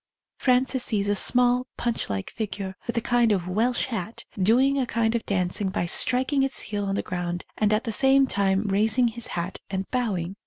Frances sees a small Punch like figure, with a kind of Welsh hat, doing a kind of dancing by striking its heel on the ground and at the same time raising his hat and bowing.